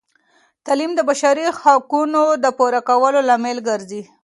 تعلیم د بشري حقونو د پوره کولو لامل ګرځي.